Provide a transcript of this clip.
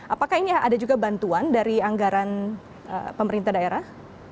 apakah ini ada juga bantuan dari anggaran pemerintah daerah